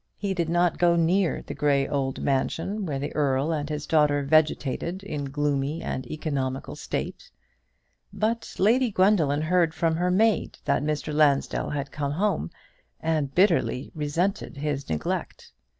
He did not go near the grey old mansion where the Earl and his daughter vegetated in gloomy and economical state; but Lady Gwendoline heard from her maid that Mr. Lansdell had come home; and bitterly resented his neglect.